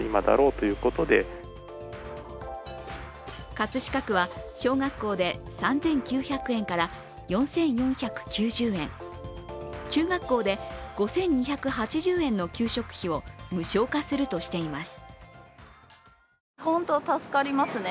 葛飾区は小学校で３９００円から４４９０円、中学校で５２８０円の給食費を無償化するとしています。